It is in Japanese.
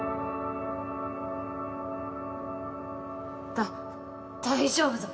だ大丈夫ぞ！